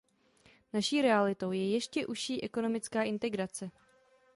Naší realitou je ještě užší ekonomická integrace.